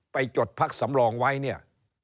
จดพักสำรองไว้เนี่ย